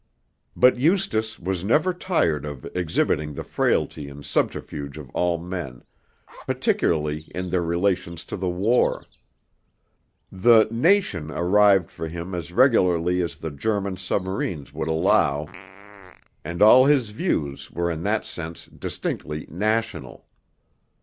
But Eustace was never tired of exhibiting the frailty and subterfuge of all men, particularly in their relations to the war; the Nation arrived for him as regularly as the German submarines would allow, and all his views were in that sense distinctly 'National.'